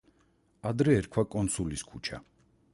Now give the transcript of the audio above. ადრე ერქვა კონსულის ქუჩა.